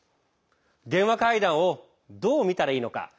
電話会談をどうみたらいいのか。